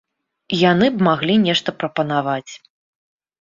Яны б маглі нешта прапанаваць.